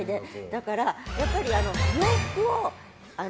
だから、やっぱり洋服を。